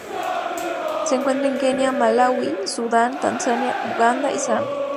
Se encuentra en Kenia, Malaui, Sudán, Tanzania, Uganda y Zambia.